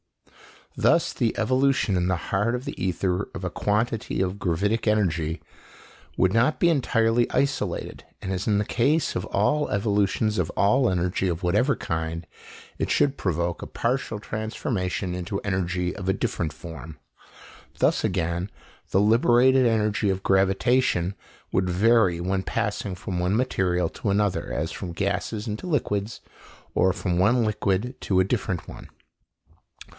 Thus the evolution in the heart of the ether of a quantity of gravific energy would not be entirely isolated, and as in the case of all evolutions of all energy of whatever kind, it should provoke a partial transformation into energy of a different form. Thus again the liberated energy of gravitation would vary when passing from one material to another, as from gases into liquids, or from one liquid to a different one.